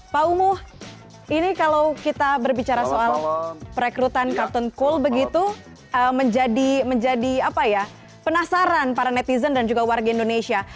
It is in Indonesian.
pak umuh ini kalau kita berbicara soal perekrutan capton cool begitu menjadi penasaran para netizen dan juga warga indonesia